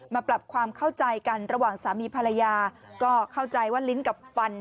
ปรับความเข้าใจกันระหว่างสามีภรรยาก็เข้าใจว่าลิ้นกับฟัน